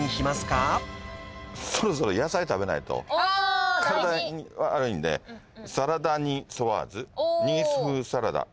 そろそろ野菜食べないと体に悪いんでサラダニソワーズニース風サラダ。